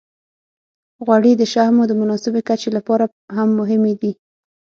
غوړې د شحمو د مناسبې کچې لپاره هم مهمې دي.